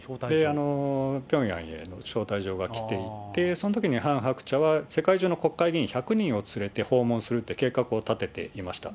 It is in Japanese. ピョンヤンへの招待状が来ていて、そのときにハン・ハクチャは世界中の国会議員１００人を連れて訪問するっていう計画を立てていました。